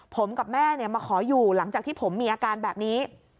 ผมกับแม่มาขออยู่หลังจากที่ผมมีอาการแบบนี้